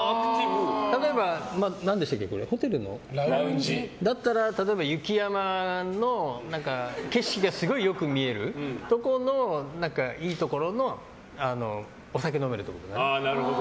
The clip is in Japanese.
例えばホテルのラウンジだったら例えば、雪山の景色がすごいよく見えるところのいいところのお酒飲めるところとかね。